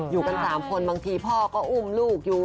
อยู่กัน๓คนบางทีพ่อก็อุ้มลูกอยู่